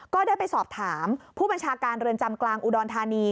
ก็ได้ไปสอบถามผู้บัญชาการเรือนจำกลางอุดรธานี